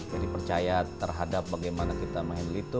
jadi percaya terhadap bagaimana kita mengendalikan itu